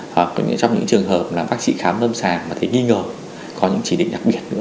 hoặc trong những trường hợp là bác sĩ khám lâm sàng mà thấy nghi ngờ có những chỉ định đặc biệt nữa